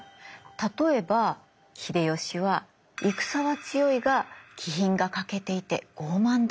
例えば「秀吉は戦は強いが気品が欠けていて傲慢だ」とかね。